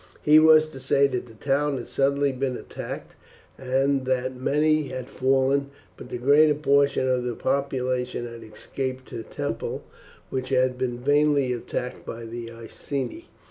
He was to say that the town had suddenly been attacked and that many had fallen; but the greater portion of the population had escaped to the temple, which had been vainly attacked by the Iceni.